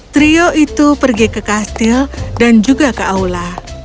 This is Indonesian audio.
trio itu pergi ke kastil dan juga ke aula